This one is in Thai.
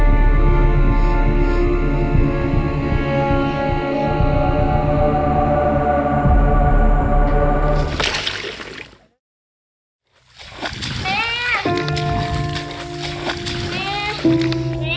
หมออยู่้องแม่เขาได้ยึดกลับทาง